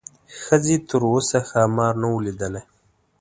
ښځې تر اوسه ښامار نه و لیدلی.